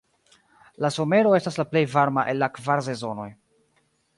La somero estas la plej varma el la kvar sezonoj.